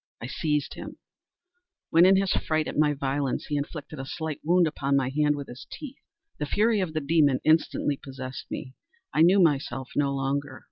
I seized him; when, in his fright at my violence, he inflicted a slight wound upon my hand with his teeth. The fury of a demon instantly possessed me. I knew myself no longer.